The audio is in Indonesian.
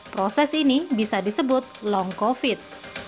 proses ini bisa disebut long covid